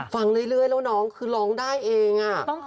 ฟังเรื่อยแล้วน้องคือร้องได้เอง